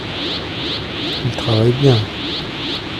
Il travaille bien.